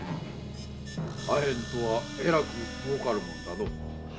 アヘンとはえらく儲かるものだな。